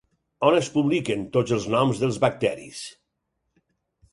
On es publiquen tots els noms dels bacteris?